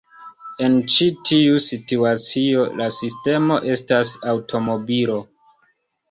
En ĉi tiu situacio, la sistemo estas aŭtomobilo.